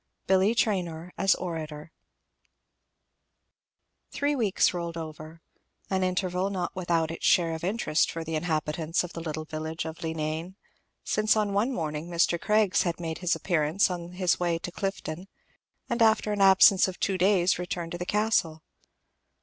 BILLY TRAYNOR AS ORATOR Three weeks rolled over, an interval not without its share of interest for the inhabitants of the little village of Leenane, since on one morning Mr. Craggs had made his appearance on his way to Clifden, and after an absence of two days returned to the Castle.